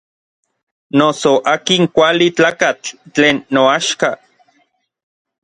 Noso akin kuali tlakatl tlen noaxka.